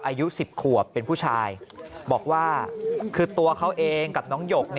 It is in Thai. อายุ๑๐ขวบเป็นผู้ชายบอกว่าคือตัวเขาเองกับน้องหยก